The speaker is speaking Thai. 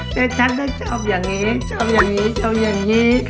แต่ฉันก็ชอบอย่างนี้ชอบอย่างนี้ชอบอย่างนี้